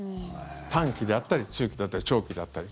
短期であったり中期だったり長期だったり。